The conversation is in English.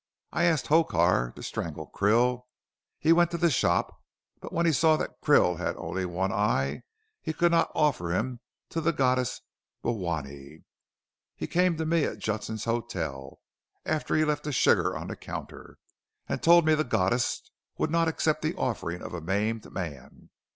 "I asked Hokar to strangle Krill. He went to the shop, but, when he saw that Krill had only one eye, he could not offer him to the goddess Bhowanee. He came to me at Judson's hotel, after he left the sugar on the counter, and told me the goddess would not accept the offering of a maimed man.